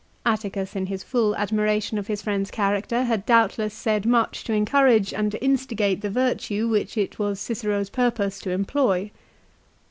Atticus in his full admiration of his friend's character had doubtless said much to encourage and to instigate the virtue which it was Cicero's purpose to employ.